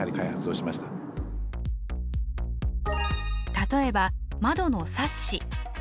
例えば窓のサッシ。